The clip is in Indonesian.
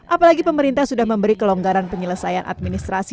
apalagi pemerintah sudah memberi kelonggaran penyelesaian administrasi